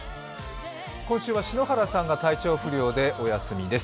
今週は篠原さんが体調不良でお休みです。